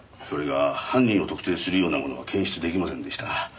それが犯人を特定するようなものは検出出来ませんでした。